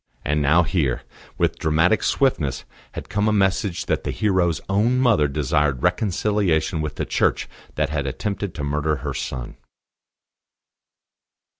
And now here, with dramatic swiftness, had come a message that the hero's own mother desired reconciliation with the Church that had attempted to murder her son.